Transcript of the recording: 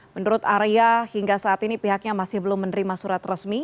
menurut arya hingga saat ini pihaknya masih belum menerima surat resmi